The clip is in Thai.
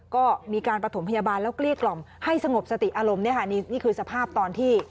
ก็มีการประถมพยาบาลแล้วเกลี้ยกล่อมให้สงบสติอารมณ์เนี่ยค่ะนี่คือสภาพตอนที่